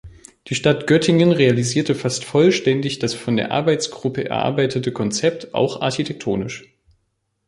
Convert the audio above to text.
Die Stadt Göttingen realisierte fast vollständig das von der Arbeitsgruppe erarbeitete Konzept, auch architektonisch.